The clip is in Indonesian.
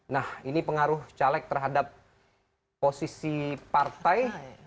nah ini pengaruh caleg terhadap posisi partai